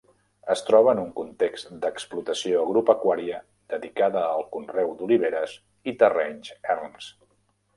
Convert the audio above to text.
Es troba en un context d'explotació agropecuària dedicada al conreu d'oliveres i terrenys erms.